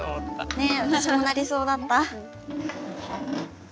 ね私も鳴りそうだった。